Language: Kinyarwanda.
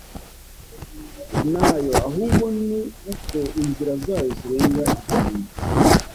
ntayo ahubwo ni uko inzira zayo zirenga igihumbi